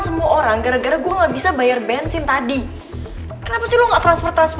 semua orang gara gara gue gak bisa bayar bensin tadi kenapa sih lo konflik transfer juga uang gue